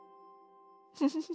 フフフフ。